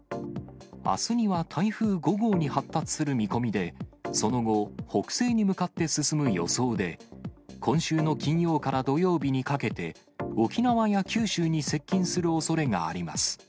あすには台風５号に発達する見込みで、その後、北西に向かって進む予想で、今週の金曜から土曜日にかけて、沖縄や九州に接近するおそれがあります。